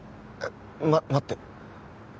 ま待って。